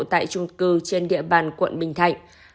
tại trung cư trên địa bàn quận bình thạnh